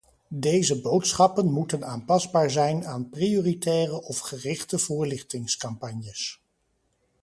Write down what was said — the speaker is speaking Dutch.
Deze boodschappen moeten aanpasbaar zijn aan prioritaire of gerichte voorlichtingscampagnes.